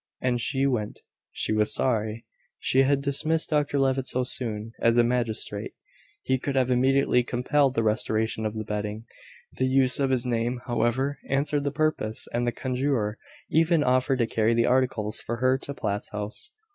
As she went, she was sorry she had dismissed Dr Levitt so soon. As a magistrate, he could have immediately compelled the restoration of the bedding. The use of his name, however, answered the purpose, and the conjurer even offered to carry the articles for her to Platt's house.